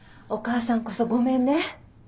お母さんこそごめんね。